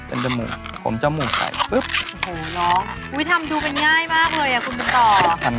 บอกว่านี่มันเหมือนการปฏิมากรรม